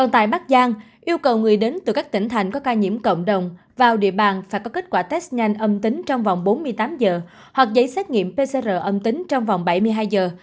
tại bắc giang yêu cầu người đến từ các tỉnh thành có ca nhiễm cộng đồng vào địa bàn phải có kết quả test nhanh âm tính trong vòng bốn mươi tám giờ hoặc giấy xét nghiệm pcr âm tính trong vòng bảy mươi hai giờ